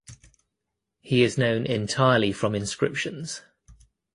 He is known entirely from inscriptions.